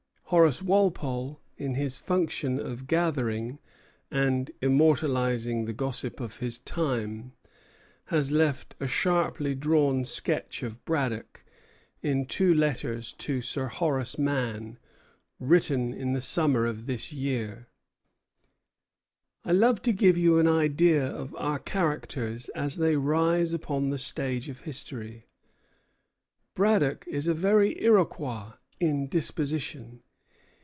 Horace Walpole, in his function of gathering and immortalizing the gossip of his time, has left a sharply drawn sketch of Braddock in two letters to Sir Horace Mann, written in the summer of this year: "I love to give you an idea of our characters as they rise upon the stage of history. Braddock is a very Iroquois in disposition.